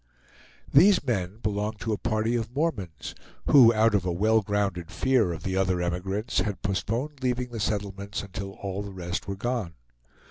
These men belonged to a party of Mormons, who, out of a well grounded fear of the other emigrants, had postponed leaving the settlements until all the rest were gone.